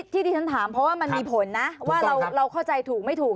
ที่ที่ฉันถามเพราะว่ามันมีผลนะว่าเราเข้าใจถูกไม่ถูก